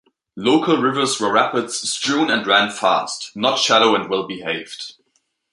Local Rivers were rapids strewn and ran fast, not shallow and well behaved.